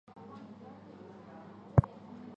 所有参与者都按照预定的策略进行每一期博弈。